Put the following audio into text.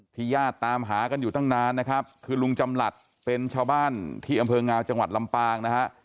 ญาติตามหากันอยู่ตั้งนานนะครับคือลุงจำหลัดเป็นชาวบ้านที่อำเภองาวจังหวัดลำปางนะฮะ